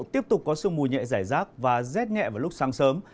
tiếp tục có sương mù nhẹ giải rác và rét nhẹ vào lúc sáng sớm